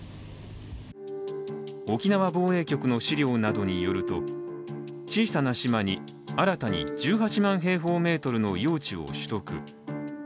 沖縄防衛局の資料などによると小さな島に新たに１８万平方メートルの用地を取得。